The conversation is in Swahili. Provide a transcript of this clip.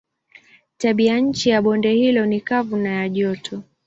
Tabianchi ya bonde hilo ni kavu na ya joto.